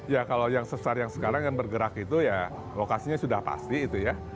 ya kalau yang sesar yang sekarang yang bergerak itu ya lokasinya sudah pasti itu ya